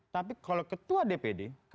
tapi kalau ketua dpd